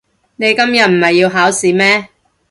你今日唔係要考試咩？